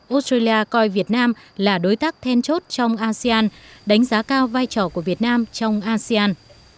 australia coi việt nam là đối tác then chốt trong asean đánh giá cao vai trò của việt nam trong asean